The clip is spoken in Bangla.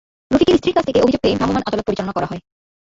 রফিকের স্ত্রীর কাছ থেকে অভিযোগ পেয়ে ভ্রাম্যমাণ আদালত পরিচালনা করা হয়।